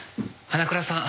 花倉さん